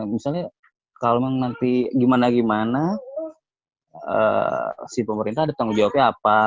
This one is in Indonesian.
misalnya kalau memang nanti gimana gimana si pemerintah ada tanggung jawabnya apa